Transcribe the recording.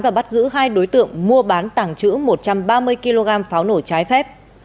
và bắt giữ hai đối tượng mua bán tàng trữ một trăm ba mươi kg pháo nổ trái phép